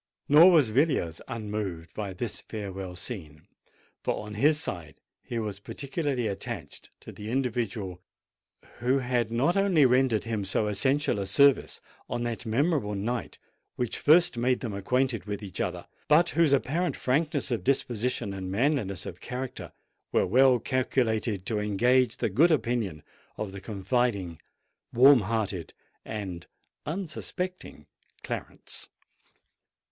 Nor was Villiers unmoved by this farewell scene; for, on his side, he was particularly attached to the individual who had not only rendered him so essential a service on that memorable night which first made them acquainted with each other, but whose apparent frankness of disposition and manliness of character were well calculated to engage the good opinion of the confiding, warm hearted, and unsuspecting Clarence.